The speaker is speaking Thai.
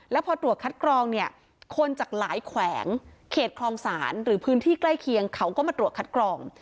แล้วพอตรวจคัดกรองเนี่ยคนจากหลายแขวงเขตคลองศาลหรือพื้นที่ใกล้เคียงเขาก็มาตรวจคัดกรอง